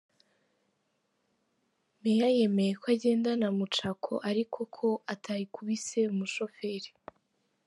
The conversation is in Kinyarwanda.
Meya yemeye ko agendana mucako ariko ko atayikubise umushoferi.